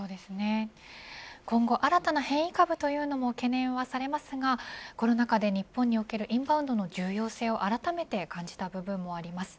今後、新たな変異株というのも懸念はされますがコロナ禍で日本におけるインバウンドの重要性をあらためて感じた部分もあります。